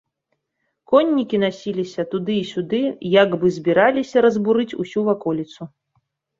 Коннікі насіліся туды і сюды, як бы збіраліся разбурыць усю ваколіцу.